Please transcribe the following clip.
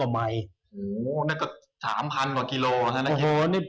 โหนี่ก็๓๐๐๐กว่ากิโลเมตรนะครับ